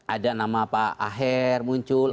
ada nama pak aher muncul